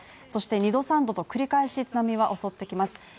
そして２度３度と繰り返し津波が襲ってきます